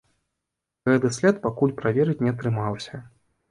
Гэты след пакуль праверыць не атрымалася.